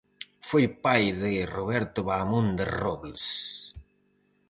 Foi pai de Roberto Baamonde Robles.